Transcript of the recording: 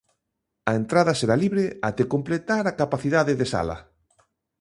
A entrada será libre até completar a capacidade de sala.